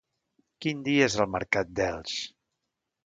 Quin dia és el mercat d'Elx?